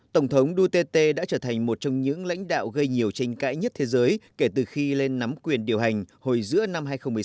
tổng thống duterte đã trở thành một trong những lãnh đạo gây nhiều tranh cãi nhất thế giới kể từ khi lên nắm quyền điều hành hồi giữa năm hai nghìn một mươi sáu